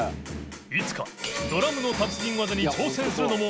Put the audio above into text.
いつかドラムの達人技に挑戦するのも）